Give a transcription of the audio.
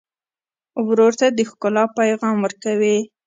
ورور ته د ښکلا پیغام ورکوې.